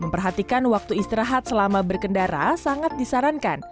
memperhatikan waktu istirahat selama berkendara sangat disarankan